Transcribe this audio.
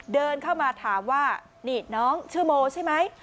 เดินเข้ามาถามว่านี่น้องชื่อโมใช่ไหม